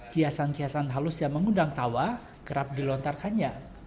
kiasan kiasan halus yang mengundang tawa kerap dilontarkannya